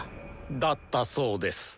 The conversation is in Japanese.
だったそうです。